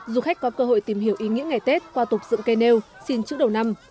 du khách có cơ hội tìm hiểu ý nghĩa ngày tết qua tục dựng cây nêu xin chữ đầu năm